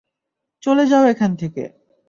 চলে যাও এখান থেকে!